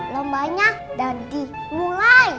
lombanya udah dimulai